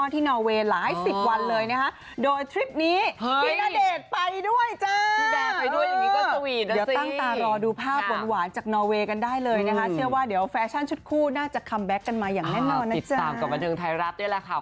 ติดตามกับวันเชิงไทยรับได้แหละค่ะ